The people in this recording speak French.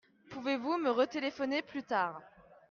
Pouvez-vous me retéléphoner plus tard ?